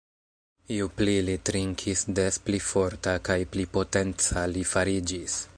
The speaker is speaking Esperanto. Ju pli li trinkis, des pli forta kaj pli potenca li fariĝis.